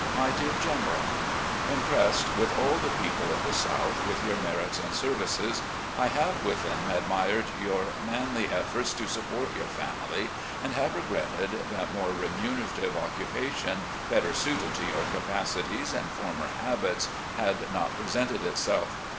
"My Dear General: Impressed, with all the people of the South, with your merits and services, I have with A ROUND OP VISITS 421 them admired your manly efforts to support your family, and have regretted that more remunerative occupation, better suited to your capacities and former habits, had not presented itself.